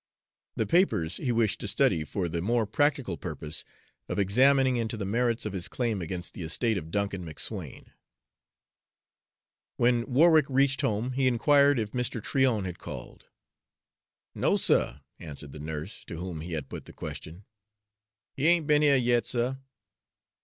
The papers he wished to study, for the more practical purpose of examining into the merits of his claim against the estate of Duncan McSwayne. When Warwick reached home, he inquired if Mr. Tryon had called. "No, suh," answered the nurse, to whom he had put the question; "he ain't be'n here yet, suh."